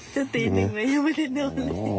จะตีหนึ่งไหมยังไม่ได้นอนเลย